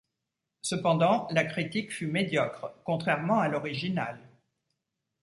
Cependant, la critique fut médiocre, contrairement à l'original.